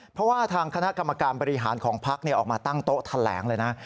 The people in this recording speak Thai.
เพราะว่าทางคณะกรรมการบริหารของพักออกมาตั้งโต๊ะแถลงเลยนะ